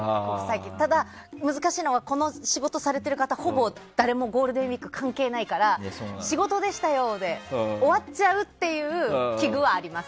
ただ、難しいのはこの仕事をされている方ほぼ誰もゴールデンウィークは関係ないから仕事でしたよで終わっちゃうっていう危惧はあります。